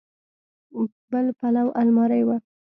بل پلو المارۍ وه.